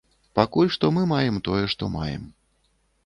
Пакуль што мы маем тое, што маем.